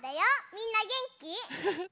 みんなげんき？